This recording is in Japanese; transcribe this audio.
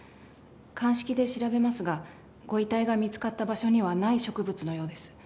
鑑識で調べますがご遺体が見つかった場所にはない植物のようです